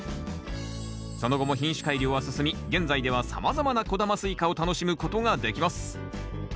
その後も品種改良は進み現在ではさまざまな小玉スイカを楽しむことができます。